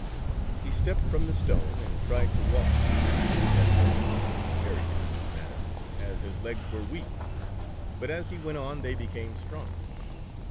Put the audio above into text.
He stepped from the stone and tried to walk, which at first was a 1 88 The Toad Boy. very difficult matter, as his legs were weak, but as he went on they became stronger.